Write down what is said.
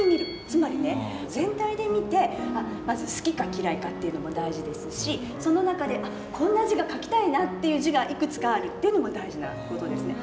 つまりね全体で見てまず好きか嫌いかっていうのも大事ですしその中で「こんな字が書きたいな」っていう字がいくつかあるっていうのも大事な事ですね。